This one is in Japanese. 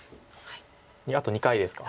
あと２回ですか。